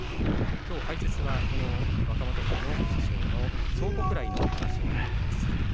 きょう解説はこの若元春の師匠の蒼国来の荒汐親方です。